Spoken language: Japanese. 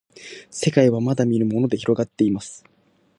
せかいはまだみぬものでひろがっています